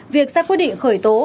việc xác quyết định khởi tố